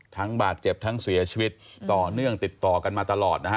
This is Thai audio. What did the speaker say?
บาดเจ็บทั้งเสียชีวิตต่อเนื่องติดต่อกันมาตลอดนะฮะ